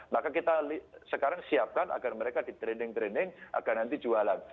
maka kita sekarang siapkan agar mereka di training training agar nanti jualan